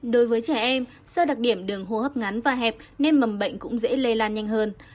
đối với trẻ em do đặc điểm đường hô hấp ngắn và hẹp nên mầm bệnh cũng dễ lây lan nhanh hơn